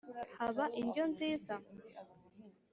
haba indyo nziza!”